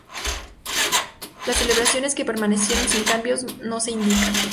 Las celebraciones que permanecieron sin cambios no se indican.